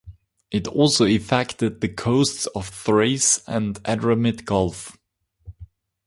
It also affected the coasts of Thrace and the Edremit Gulf.